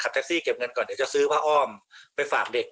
เดี๋ยวจะซื้อผ้าอ้อมไปฝากเด็ก